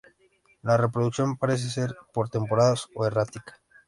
La reproducción parece ser por temporadas o errática.